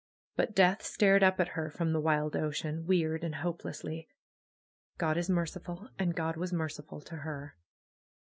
But death stared up at her from the wild ocean, weird and hopelessly. God is merciful ! And God was merciful to her.